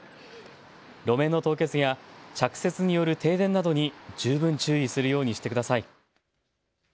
路面の凍結や着雪による停電などに十分注意するようにしてください。